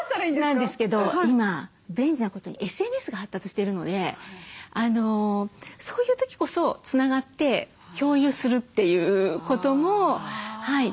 なんですけど今便利なことにＳＮＳが発達してるのでそういう時こそつながって共有するということもできますし。